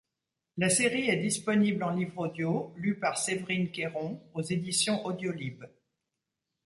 La série est disponible en livre audio, lu par Séverine Cayron, aux éditions Audiolib.